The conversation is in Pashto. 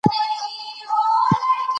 ځوانان باید تشویق شي.